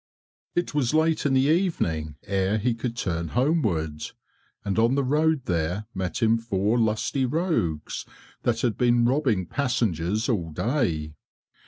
It was late in the evening ere he could turn homeward, and on the road there met him four lusty rogues that had been robbing passengers all day.